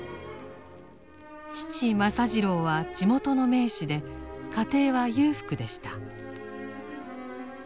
父政次郎は地元の名士で家庭は裕福でした。